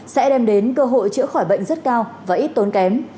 sẽ đem đến cơ hội chữa khỏi bệnh rất cao và ít tốn kém